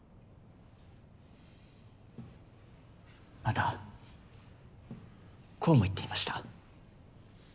またこうも言っていました。